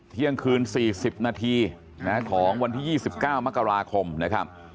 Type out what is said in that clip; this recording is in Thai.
เที่ยงคืน๔๐นาทีของวันที่๒๙มกราคมนะครับ